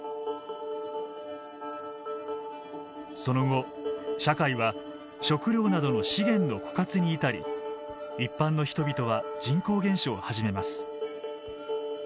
その後社会は食料などの資源の枯渇に至り一般の人々は人口減少を始めます。